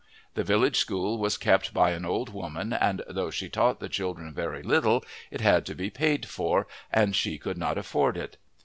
The village school was kept by an old woman, and though she taught the children very little it had to be paid for, and she could not afford it.